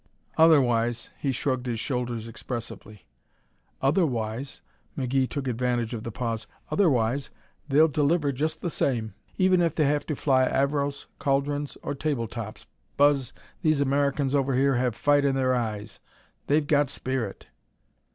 Otherwise " he shrugged his shoulders expressively. "Otherwise," McGee took advantage of the pause, "Otherwise they'll deliver just the same, even if they have to fly Avros, Caudrons or table tops. Buzz, these Americans over here have fight in their eyes. They've got spirit."